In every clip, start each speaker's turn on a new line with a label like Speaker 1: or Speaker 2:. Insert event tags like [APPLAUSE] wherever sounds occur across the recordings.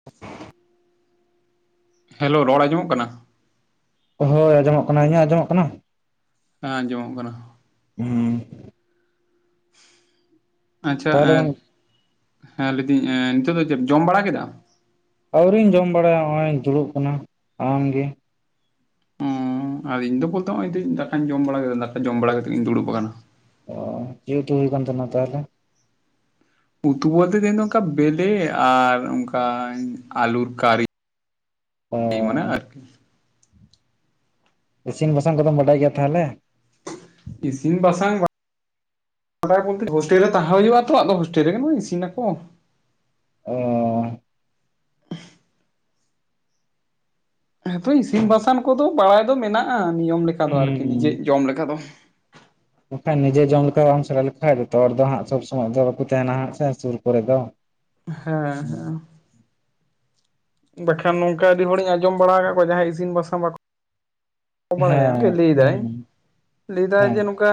Speaker 1: [INAUDIBLE]
Speaker 2: Hello ᱨᱚᱲ ᱟᱸᱡᱚᱢᱚᱜ ᱠᱟᱱᱟ?
Speaker 1: ᱦᱳᱭ ᱟᱸᱡᱚᱢᱚᱜ ᱠᱟᱱᱟ ᱤᱧᱟᱹᱜ ᱟᱸᱡᱚᱢᱚᱜ ᱠᱟᱱᱟ?
Speaker 2: ᱦᱮᱸ ᱟᱸᱡᱚᱢᱚᱜ ᱠᱟᱱᱟ ᱾
Speaker 1: ᱦᱩᱸ ᱾
Speaker 2: ᱟᱪᱪᱷᱟ
Speaker 1: ᱛᱟᱦᱚᱞᱮ
Speaker 2: ᱮᱸᱫ
Speaker 1: ᱜᱚᱝ
Speaker 2: ᱦᱮᱸ ᱞᱟᱹᱭ ᱫᱟᱹᱧ ᱮ ᱱᱤᱛᱚᱜ ᱫᱚ ᱪᱮᱫ ᱡᱚᱢ ᱵᱟᱲᱟ ᱠᱮᱫᱟᱢ?
Speaker 1: ᱟᱹᱣᱨᱤᱧ ᱡᱚᱢ ᱵᱟᱲᱟᱭᱟ, ᱱᱚᱜ-ᱚᱭ ᱤᱧ ᱫᱩᱲᱩᱵ ᱠᱟᱱᱟ ᱾ ᱟᱢᱜᱮ?
Speaker 2: ᱚ ᱟᱨ ᱤᱧ ᱫᱚ ᱵᱚᱞᱛᱮ ᱱᱚᱜ-ᱚᱭ ᱫᱟᱠᱟᱧ ᱡᱚᱢ ᱵᱟᱲᱟ ᱠᱮᱫᱟ ᱫᱟᱠᱟ ᱡᱚᱢ ᱵᱟᱲᱟ ᱠᱟᱛᱮᱜ ᱤᱧ ᱫᱩᱲᱩᱵ ᱟᱠᱟᱱᱟ ᱾
Speaker 1: ᱚ ᱪᱮᱫ ᱩᱛᱩ ᱦᱩᱭ ᱠᱟᱱ ᱛᱟᱦᱮᱱᱟ ᱛᱟᱦᱚᱞᱮ?
Speaker 2: ᱩᱛᱩ ᱵᱚᱞᱛᱮ ᱛᱮᱦᱮᱧ ᱫᱚ ᱚᱱᱠᱟ ᱵᱮᱞᱮ, ᱟᱨ ᱚᱱᱠᱟ ᱟᱞᱩᱨ ᱠᱟᱨᱤ ᱾
Speaker 1: ᱚ
Speaker 2: ᱢᱟᱱᱮ ᱟᱨᱠᱤ ᱾
Speaker 1: ᱤᱥᱤᱱ ᱵᱟᱥᱟᱝ ᱠᱚᱫᱚᱢ ᱵᱟᱰᱟᱭ ᱜᱮᱭᱟ ᱛᱟᱦᱚᱞᱮ?
Speaker 2: ᱤᱥᱤᱱ ᱵᱟᱥᱟᱝ [UNINTELLIGIBLE] ᱦᱳᱥᱴᱮᱞ ᱨᱮ ᱛᱟᱦᱮᱸ ᱦᱩᱭᱩᱜ-ᱟ ᱛᱚ ᱟᱫᱚ ᱦᱳᱥᱴᱮᱞ ᱨᱮᱜᱮ [UNINTELLIGIBLE] ᱤᱥᱤᱱ ᱟᱠᱚ ᱾
Speaker 1: ᱚᱸᱻ
Speaker 2: ᱦᱮᱸ ᱛᱚ ᱤᱥᱤᱱ ᱵᱟᱥᱟᱝ ᱠᱚᱫᱚ ᱵᱟᱲᱟᱭ ᱫᱚ ᱢᱮᱱᱟᱜ-ᱟ, ᱱᱤᱭᱚᱢ ᱞᱮᱠᱟ ᱫᱚ
Speaker 1: ᱦᱩᱸ
Speaker 2: ᱟᱨᱠᱤ ᱱᱤᱡᱮ ᱡᱚᱢ ᱞᱮᱠᱟ ᱫᱚ ᱾
Speaker 1: ᱵᱟᱠᱷᱟᱡ ᱱᱤᱡᱮ ᱡᱚᱢ ᱞᱮᱠᱟ ᱵᱟᱢ ᱥᱮᱬᱟ ᱞᱮᱠᱷᱟᱡ ᱡᱷᱚᱛᱚ ᱦᱚᱲ ᱫᱚ ᱦᱟᱸᱜ ᱥᱚᱵᱽ ᱥᱚᱢᱚᱭ ᱫᱚ ᱵᱟᱠᱚ ᱛᱟᱦᱮᱱᱟ ᱦᱟᱸᱜ ᱥᱮ ᱥᱩᱨ ᱠᱚᱨᱮ ᱫᱚ ᱾
Speaker 2: ᱦᱮᱸ ᱦᱮᱸ ᱾ ᱵᱟᱠᱷᱟᱱ ᱱᱚᱝᱠᱟ ᱟᱹᱰᱤ ᱦᱚᱲᱤᱧ ᱟᱸᱡᱚᱢ ᱵᱟᱲᱟ ᱟᱠᱟᱫ ᱠᱚᱣᱟ ᱡᱟᱦᱟᱸᱭ ᱤᱥᱤᱱ ᱵᱟᱥᱟᱝ ᱵᱟᱠᱚ ᱠᱚ ᱵᱟᱲᱟᱭᱟ ᱟᱡ
Speaker 1: ᱦᱮᱸ
Speaker 2: ᱜᱮ ᱞᱮᱭ ᱮᱫᱟᱭ
Speaker 1: ᱦᱩᱸ
Speaker 2: ᱾ [INAUDIBLE] ᱞᱮᱭ ᱮᱫᱟᱭ
Speaker 1: ᱦᱮᱸ
Speaker 2: ᱡᱮ ᱚᱱᱠᱟ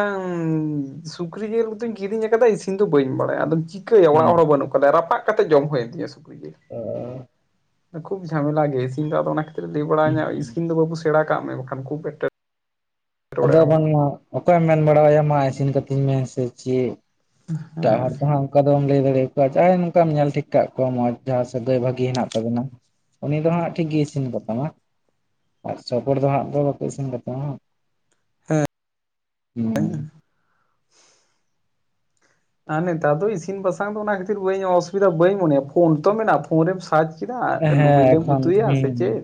Speaker 2: ᱥᱩᱠᱨᱤ ᱡᱤᱞ ᱠᱚᱫᱚᱧ ᱠᱤᱨᱤᱧ ᱟᱠᱟᱫᱟ ᱤᱥᱤᱱ ᱫᱚ ᱵᱟᱹᱧ ᱵᱟᱲᱟᱭᱟ ᱟᱫᱚ ᱪᱤᱠᱟᱹᱭᱟ
Speaker 1: ᱦᱩᱸ
Speaker 2: ᱚᱲᱟᱜ ᱦᱚᱲ ᱦᱚᱸ ᱵᱟᱹᱱᱩᱜ ᱠᱚᱣᱟ, ᱨᱟᱯᱟᱜ ᱠᱟᱛᱮ ᱡᱚᱢ ᱦᱩᱭᱮᱱ ᱛᱤᱧᱟ ᱥᱩᱠᱨᱤ ᱡᱤᱞ ᱾
Speaker 1: ᱚ ᱾
Speaker 2: [INAUDIBLE] ᱠᱷᱩᱵ ᱡᱷᱟᱢᱮᱞᱟ ᱜᱮ ᱤᱥᱤᱱ ᱫᱚ ᱟᱫᱚ ᱚᱱᱟ ᱠᱷᱟᱹᱛᱤᱨ ᱞᱟᱹᱭ
Speaker 1: ᱦᱩᱸ
Speaker 2: ᱵᱟᱲᱟᱭᱤᱧᱟᱹ ᱤᱥᱤᱱ ᱫᱚ ᱵᱟᱵᱩ ᱥᱮᱬᱟ ᱠᱟᱜ ᱢᱮ ᱾ ᱠᱷᱩᱵ ᱮᱠᱴᱟ
Speaker 1: ᱟᱫᱚ ᱵᱟᱝᱢᱟ ᱚᱠᱚᱭᱮᱢ ᱢᱮᱱ ᱵᱟᱲᱟᱣᱭᱟ ᱢᱟ ᱤᱥᱤᱱ ᱠᱟᱹᱛᱤᱧ ᱢᱮ ᱥᱮ ᱪᱮᱫ ᱾ [INAUDIBLE] ᱮᱴᱟᱜ ᱦᱚᱲ
Speaker 2: ᱦᱮᱸ
Speaker 1: ᱫᱚ ᱦᱟᱸᱜ ᱚᱱᱠᱟ ᱫᱚᱢ ᱞᱟᱹᱭ ᱫᱟᱲᱮᱭᱟᱠᱚᱣᱟ ᱡᱟᱦᱟᱸᱭ ᱱᱚᱝᱠᱟᱢ ᱧᱮᱞ ᱴᱷᱤᱠ ᱠᱟᱜ ᱠᱚᱣᱟ, ᱢᱚᱸᱡᱽ ᱡᱟᱦᱟᱸ ᱥᱟᱹᱜᱟᱹᱭ ᱵᱷᱟᱹᱜᱤ ᱦᱮᱱᱟᱜ ᱛᱟᱵᱤᱱᱟ ᱩᱱᱤ ᱫᱚ ᱦᱟᱸᱜ ᱴᱷᱤᱠ ᱜᱮᱭ ᱤᱥᱤᱱ ᱵᱟᱥᱟᱝ-ᱟ [INAUDIBLE] ᱟᱨ ᱥᱚᱯᱚᱴ ᱫᱚ ᱦᱟᱸᱜ ᱫᱚ ᱵᱟᱠᱚ ᱤᱥᱤᱱ ᱵᱟᱥᱟᱝ-ᱟ ᱾
Speaker 2: ᱦᱮᱸ ᱾
Speaker 1: ᱦᱩᱸ ᱾
Speaker 2: ᱟᱨ ᱱᱮᱛᱟᱨ ᱫᱚ ᱤᱥᱤᱱ ᱵᱟᱥᱟᱝ ᱫᱚ ᱚᱱᱟ ᱠᱷᱟᱹᱛᱤᱨ ᱵᱟᱹᱧ ᱚᱥᱩᱵᱤᱫᱟ ᱵᱟᱹᱧ ᱢᱚᱱᱮᱭᱟ, ᱯᱷᱳᱱ ᱛᱚ ᱢᱮᱱᱟᱜ ᱯᱷᱳᱱ ᱨᱮᱢ ᱥᱟᱨᱡᱽ ᱠᱮᱫᱟ ᱟᱹᱞᱩ
Speaker 1: ᱦᱮᱸ
Speaker 2: ᱵᱤᱞᱮᱢ
Speaker 1: ᱮᱠᱷᱚᱱ
Speaker 2: ᱩᱛᱩᱭᱟ ᱥᱮ
Speaker 1: ᱦᱩᱸ
Speaker 2: ᱪᱮᱫ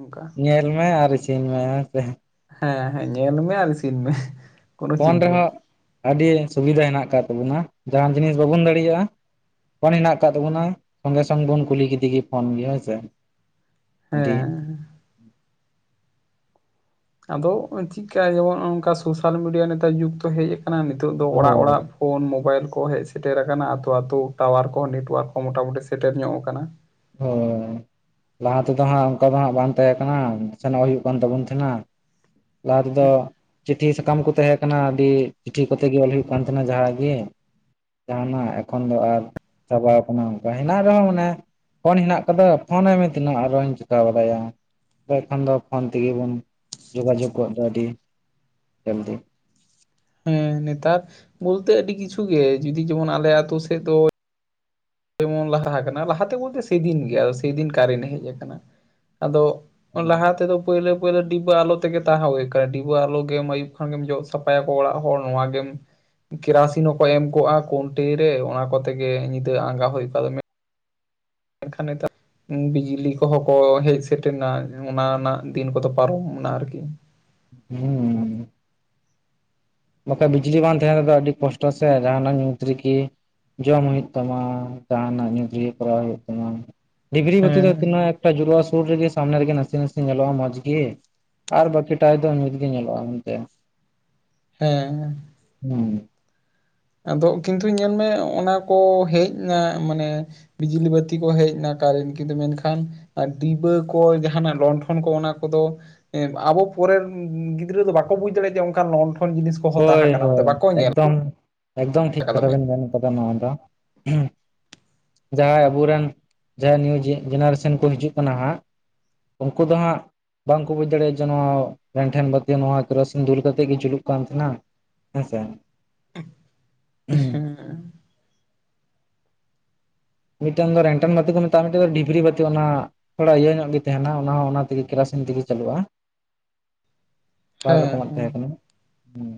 Speaker 2: ᱚᱱᱠᱟ
Speaker 1: ᱧᱮᱞ ᱢᱮ ᱟᱨ ᱤᱥᱤᱱ ᱢᱮ ᱦᱮᱸ ᱥᱮ ᱾
Speaker 2: ᱦᱮᱸ ᱦᱮᱸ ᱧᱮᱞ ᱢᱮ ᱟᱨ ᱤᱥᱤᱱ ᱢᱮ ᱾
Speaker 1: ᱯᱷᱳᱱ ᱨᱮᱦᱚᱸ ᱟᱹᱰᱤ ᱥᱩᱵᱤᱫᱷᱟ ᱦᱮᱱᱟᱜ ᱟᱠᱟᱫ ᱛᱟᱵᱚᱱᱟ ᱡᱟᱦᱟᱸᱱ ᱡᱤᱱᱤᱥ ᱵᱟᱵᱚᱱ ᱫᱟᱲᱮᱭᱟᱜᱼᱟ ᱯᱷᱳᱱ ᱦᱮᱱᱟᱜ ᱟᱠᱟᱫ ᱛᱟᱵᱚᱱᱟ, ᱥᱚᱝᱜᱮ ᱥᱚᱝᱜᱮ ᱵᱚᱱ ᱠᱩᱞᱤ ᱠᱮᱫᱮ ᱜᱮ ᱯᱷᱳᱱ ᱜᱮ ᱦᱮᱸᱥᱮ ᱾
Speaker 2: ᱦᱮᱸ ᱾ ᱟᱫᱚ ᱪᱮᱠᱟᱭᱟᱵᱚᱱ ᱱᱚᱝᱠᱟ ᱥᱳᱥᱟᱞ ᱢᱤᱰᱤᱭᱟ ᱱᱮᱛᱟᱨ ᱡᱩᱜᱽ ᱫᱚ ᱦᱮᱡ ᱟᱠᱟᱱᱟ ᱱᱤᱛᱚᱜ ᱫᱚ ᱚᱲᱟᱜ
Speaker 1: ᱦᱳᱭ
Speaker 2: ᱚᱲᱟᱜ ᱾ ᱯᱷᱳᱱ ᱢᱳᱚᱵᱟᱭᱤᱞ ᱠᱚ ᱦᱮᱡ ᱥᱮᱴᱮᱨ ᱟᱠᱟᱱᱟ ᱟᱛᱳ ᱟᱛᱳ ᱴᱟᱣᱟᱨ ᱠᱚᱦᱚᱸ ᱱᱮᱴᱳᱣᱟᱨᱠ ᱠᱚ ᱢᱚᱴᱟᱢᱩᱴᱤ ᱥᱮᱴᱮᱨ ᱧᱚᱜ ᱟᱠᱟᱱᱟ ᱾
Speaker 1: ᱚ ᱾ ᱞᱟᱦᱟ ᱛᱮᱫᱚ ᱦᱟᱸᱜ ᱚᱱᱠᱟ ᱫᱚ ᱦᱟᱸᱜ ᱵᱟᱝ ᱛᱟᱦᱮᱸ ᱠᱟᱱᱟ ᱥᱮᱱᱚᱜ ᱦᱩᱭᱩᱜ ᱠᱟᱱ ᱛᱟᱵᱚᱱ ᱛᱟᱦᱮᱱᱟ ᱾ ᱞᱟᱦᱟ ᱛᱮᱫᱚ ᱪᱤᱴᱷᱤ ᱥᱟᱠᱟᱢ ᱠᱚ ᱛᱟᱦᱮᱸ ᱠᱟᱱᱟ, ᱟᱹᱰᱤ ᱪᱤᱴᱷᱤ ᱠᱚᱛᱮ ᱜᱮ ᱚᱞ ᱦᱩᱭᱩᱜ ᱠᱟᱱ ᱛᱟᱦᱮᱸᱱᱟ ᱡᱟᱦᱟ ᱜᱮ ᱾ ᱡᱟᱦᱱᱟᱜ ᱮᱠᱷᱚᱱ ᱫᱚ ᱟᱨ ᱪᱟᱵᱟ ᱟᱠᱟᱱᱟ, ᱚᱱᱠᱟ ᱦᱮᱱᱟᱜ ᱨᱮᱦᱚᱸ ᱢᱟᱱᱮ ᱯᱷᱳᱱ ᱦᱮᱱᱟᱜ ᱟᱠᱟᱫᱟ ᱯᱷᱳᱱ ᱟᱭ ᱢᱮ ᱛᱤᱱᱟᱹᱜ ᱟᱨᱚᱧ ᱪᱤᱠᱟᱹ ᱵᱟᱲᱟᱭᱟ ᱾ ᱠᱷᱟᱱ ᱫᱚ ᱯᱷᱳᱱ ᱛᱮᱜᱮ ᱵᱚᱱ ᱡᱳᱜᱟᱡᱳᱜᱚᱜ ᱫᱚ ᱟᱹᱰᱤ [INAUDIBLE] ᱡᱚᱞᱫᱤ ᱾
Speaker 2: ᱦᱮᱸ ᱱᱮᱛᱟᱨ ᱵᱚᱞᱛᱮ ᱟᱹᱰᱤ ᱠᱤᱪᱷᱩ ᱜᱮ, ᱡᱩᱫᱤ ᱡᱮᱢᱚᱱ ᱟᱞᱮ ᱟᱛᱳ ᱥᱮᱫ ᱫᱚ ᱡᱮᱢᱚᱱ ᱞᱟᱦᱟ ᱟᱠᱟᱱᱟ ᱞᱟᱦᱟᱛᱮ ᱵᱚᱞᱛᱮ ᱥᱮᱫᱤᱱ ᱜᱮ ᱥᱮᱫᱤᱱ ᱠᱟᱨᱮᱱᱴ ᱦᱮᱡ ᱟᱠᱟᱱᱟ ᱾ ᱟᱫᱚ ᱞᱟᱦᱟ ᱛᱮᱫᱚ ᱯᱳᱭᱞᱳ ᱯᱳᱭᱞᱳ ᱰᱤᱵᱟᱹ ᱟᱞᱳ ᱛᱮᱜᱮ ᱛᱟᱦᱮᱸ ᱦᱩᱭ ᱟᱠᱟᱱᱟ ᱾ ᱰᱤᱵᱟᱹ ᱟᱞᱳ ᱜᱮᱢ ᱟᱹᱭᱩᱵ ᱠᱷᱟᱱ ᱜᱮᱢ ᱡᱚᱜ ᱥᱟᱯᱷᱟᱭ ᱟᱠᱚ ᱚᱲᱟᱜ ᱦᱚᱲ ᱱᱚᱣᱟ ᱜᱮᱢ ᱠᱮᱨᱟᱥᱤᱱ ᱦᱚᱸᱠᱚ ᱮᱢ ᱠᱚᱜᱼᱟ ᱠᱩᱱᱴᱤ ᱨᱮ ᱚᱱᱟ ᱠᱚ ᱛᱮᱜᱮ ᱧᱤᱫᱟᱹ ᱟᱸᱜᱟ ᱦᱩᱭᱩᱜ ᱠᱟᱫ ᱢᱮ ᱾ ᱮᱱᱠᱷᱟᱱ ᱱᱤᱛᱚᱜ ᱵᱤᱡᱽᱞᱤ ᱠᱚᱦᱚᱸ ᱠᱚ ᱦᱮᱡ ᱥᱮᱴᱮᱨ ᱮᱱᱟ, ᱚᱱᱟ ᱨᱮᱱᱟᱜ ᱫᱤᱱ ᱠᱚᱫᱚ ᱯᱟᱨᱚᱢ ᱮᱱᱟ ᱟᱨᱠᱤ ᱾
Speaker 1: ᱦᱩᱸ ᱾ ᱱᱚᱛᱮ ᱵᱤᱡᱽᱞᱤ ᱵᱟᱝ ᱛᱟᱦᱮᱸ ᱨᱮᱫᱚ ᱟᱹᱰᱤ ᱠᱚᱥᱴᱚ ᱥᱮ ᱡᱟᱦᱟᱱᱟᱜ ᱧᱩᱛ ᱨᱮᱠᱤ ᱡᱚᱢ ᱦᱩᱭᱩᱜ ᱛᱟᱢᱟ, ᱡᱟᱦᱟᱱᱟᱜ ᱧᱩᱛ ᱨᱤᱜᱤ ᱠᱚᱨᱟᱣ ᱦᱩᱭᱩᱜ ᱛᱟᱢᱟ, ᱰᱤᱜᱽᱨᱤ ᱵᱟᱹᱛᱤ ᱫᱚ
Speaker 2: ᱦᱮᱸ
Speaker 1: ᱛᱤᱱᱟᱹᱜ ᱮ ᱡᱩᱞᱩᱜᱼᱟ ᱥᱩᱨ ᱨᱮᱜᱮ ᱥᱟᱢᱱᱮ ᱨᱮᱜᱮ ᱱᱟᱥᱮ ᱱᱟᱥᱮ ᱧᱮᱞᱚᱜᱼᱟ ᱢᱚᱡᱽ ᱜᱮ ᱾ ᱟᱨ ᱵᱟᱠᱤ ᱴᱟᱭ ᱫᱚ ᱧᱩᱛᱜ ᱜᱮ ᱧᱮᱞᱚᱜᱼᱟ ᱢᱮᱱᱛᱮ ᱾
Speaker 2: ᱦᱮᱸ
Speaker 1: ᱦᱩᱸ
Speaker 2: ᱟᱫᱚ ᱠᱤᱱᱛᱩ ᱧᱮᱞᱢᱮ ᱚᱱᱟ ᱠᱚ ᱦᱮᱡ ᱮᱱᱟ ᱢᱟᱱᱮ ᱵᱤᱡᱽᱞᱤ ᱵᱟᱹᱛᱤ ᱠᱚ ᱦᱮᱡ ᱱᱟ ᱠᱟᱨᱮᱱᱴ ᱠᱤᱱᱛᱩ ᱢᱮᱱᱠᱷᱟᱱ ᱟᱨ ᱰᱤᱵᱟᱹ ᱠᱚ ᱡᱟᱦᱟᱱᱟᱜ ᱞᱚᱱᱰᱷᱚᱱ ᱠᱚ ᱚᱱᱟ ᱠᱚᱫᱚ ᱟᱵᱚ ᱯᱚᱨᱮᱱ ᱜᱤᱫᱽᱨᱟᱹ ᱫᱚ ᱵᱟᱠᱚ ᱵᱩᱡᱽ ᱫᱟᱲᱮᱭᱟᱜᱼᱟ ᱡᱮ ᱚᱱᱠᱟᱱ ᱞᱚᱱ ᱴᱷᱚᱱ ᱡᱤᱱᱤᱥ ᱠᱚ
Speaker 1: ᱦᱳᱭ ᱦᱳᱭ ᱮᱠᱫᱚᱢ ᱮᱠᱫᱚᱢ ᱴᱷᱤᱠ
Speaker 2: ᱟᱠᱟᱫᱟ
Speaker 1: ᱠᱟᱛᱷᱟ
Speaker 2: ᱢᱮᱫ
Speaker 1: ᱵᱮᱱ ᱢᱮᱱ ᱠᱟᱫᱟ ᱱᱚᱣᱟ ᱫᱚ ᱡᱟᱦᱟᱸᱭ ᱟᱵᱚᱨᱮᱱ ᱡᱟᱦᱟᱸᱭ ᱱᱤᱭᱩ ᱡᱮᱱᱟᱨᱮᱥᱚᱱ ᱠᱚ ᱦᱤᱡᱩᱜ ᱠᱟᱱᱟ ᱦᱟᱸᱜ ᱩᱱᱠᱩ ᱫᱚ ᱦᱟᱸᱜ ᱵᱟᱝᱠᱚ ᱵᱩᱡ ᱫᱟᱲᱮᱭᱟᱜᱼᱟ ᱡᱮ ᱱᱚᱣᱟ ᱨᱮᱱ ᱞᱮᱱᱴᱷᱮᱱ ᱵᱟᱹᱛᱤ ᱱᱚᱣᱟ ᱠᱮᱨᱟᱥᱤᱱ ᱫᱩᱞ ᱠᱟᱛᱮᱫ ᱜᱮ ᱡᱩᱞᱩᱜ ᱠᱟᱱᱟ ᱛᱟᱦᱮᱸ ᱱᱟ ᱦᱮᱸ ᱥᱮ
Speaker 2: ᱦᱮᱸ [INAUDIBLE]
Speaker 1: ᱢᱤᱫᱴᱟᱝ ᱫᱚ ᱨᱮᱱᱴᱚᱱ ᱵᱟᱛᱤ ᱠᱚ ᱢᱮᱛᱟᱜᱼᱟ ᱢᱤᱫᱴᱤᱡ ᱫᱚ ᱰᱤᱵᱨᱤ ᱵᱟᱹᱛᱤ ᱚᱱᱟ ᱛᱷᱚᱲᱟ ᱤᱭᱟᱹ ᱧᱚᱜ ᱜᱤ ᱛᱮᱦᱮᱱᱟ ᱚᱱᱟ ᱦᱚᱸ ᱚᱱᱟ ᱛᱤᱜᱤ ᱠᱮᱨᱟᱥᱤᱱ ᱛᱤᱜᱤ ᱪᱟᱹᱞᱩᱜᱼᱟ᱾
Speaker 2: [INAUDIBLE]
Speaker 1: ᱵᱟᱨ ᱨᱚᱠᱚᱢᱟᱜ
Speaker 2: ᱦᱮᱸ
Speaker 1: ᱛᱮᱦᱮᱸ ᱠᱟᱱᱟ ᱦᱩᱸ